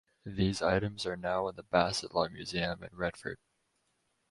These items are now in the Bassetlaw Museum in Retford.